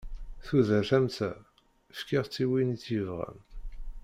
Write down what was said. Tudert am ta, fkiɣ-tt i win i tt-yebɣan.